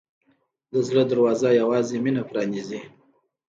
د زړه دروازه یوازې مینه پرانیزي.